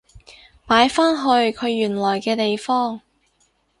擺返去佢原來嘅地方